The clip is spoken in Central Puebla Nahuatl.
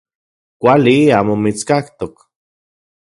Kuali amo mitskaktok.